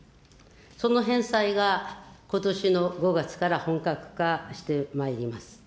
その返済がことしの５月から本格化してまいります。